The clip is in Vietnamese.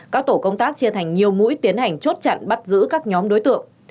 các tổ công tác chia thành nhiều mũi tiến hành chốt chặn bắt giữ các nhóm đối tượng